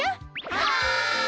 はい！